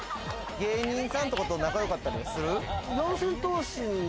芸人さんとかと仲良かったりする？